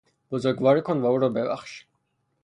بزرگواری کن و او را ببخش!